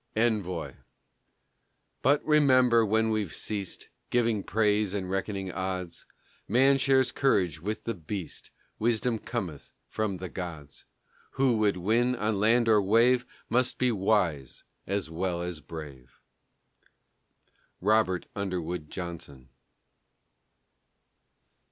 ENVOY But remember, when we've ceased Giving praise and reckoning odds, Man shares courage with the beast, Wisdom cometh from the gods. Who would win, on land or wave, Must be wise as well as brave. ROBERT UNDERWOOD JOHNSON.